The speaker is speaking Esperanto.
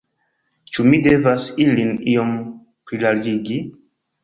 Ĉu mi devas ilin iom plilarĝigi?